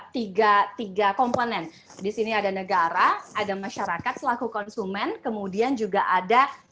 tiga tiga komponen di sini ada negara ada masyarakat selaku konsumen kemudian juga ada